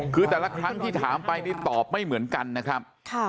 คือแต่ละครั้งที่ถามไปนี่ตอบไม่เหมือนกันนะครับ